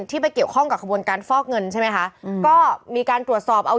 ไปเกี่ยวข้องกับขบวนการฟอกเงินใช่ไหมคะอืมก็มีการตรวจสอบเอา